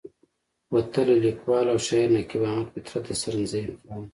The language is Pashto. وتلے ليکوال او شاعر نقيب احمد فطرت د سرنزېب خان